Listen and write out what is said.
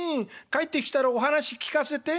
帰ってきたらお話聞かせて。